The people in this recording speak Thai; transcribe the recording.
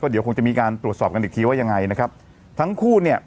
เดี๋ยวคงจะมีการตรวจสอบกันอีกทีว่ายังไงนะครับทั้งคู่เนี่ย